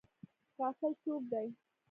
غافل څوک دی؟